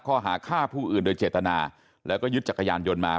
ข้อหาฆ่าผู้อื่นโดยเจตนาแล้วก็ยึดจักรยานยนต์มา